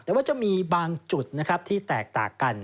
แต่ว่าจะมีบางจุดที่แตกต่างกัน